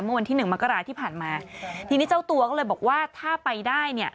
วันที่หนึ่งมกราที่ผ่านมาทีนี้เจ้าตัวก็เลยบอกว่าถ้าไปได้เนี่ย